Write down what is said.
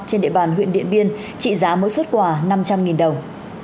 trên địa bàn huyện điện biên trị giá mỗi xuất quà năm trăm linh đồng